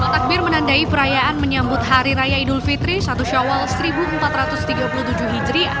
dua takbir menandai perayaan menyambut hari raya idul fitri satu syawal seribu empat ratus tiga puluh tujuh hijriah